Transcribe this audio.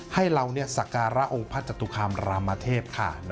ให้เราสการองค์พัฒน์จัตรุคคามรามเทพ